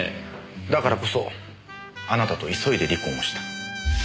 だからこそあなたと急いで離婚をした。